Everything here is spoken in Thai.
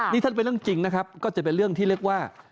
นี่ถ้าเป็นเรื่องจริงนะครับก็จะเป็นเรื่องที่เรียกว่า